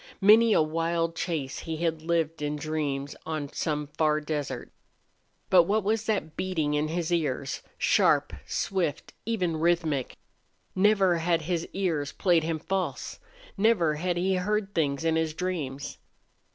Many a wild chase he had lived in dreams on some far desert. But what was that beating in his ears sharp, swift, even, rhythmic? Never had his ears played him false. Never had he heard things in his dreams.